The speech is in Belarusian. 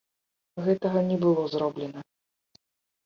Гэтага не было зроблена.